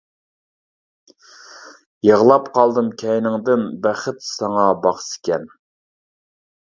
يىغلاپ قالدىم كەينىڭدىن، بەخت ساڭا باقسىكەن.